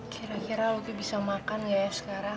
kira kira luqy bisa makan gak ya sekarang